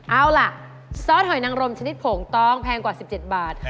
เอาล่ะซอสหอยนังรมชนิดผงต้องแพงกว่า๑๗บาท